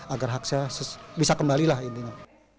agar akses bisa kembali lah intinya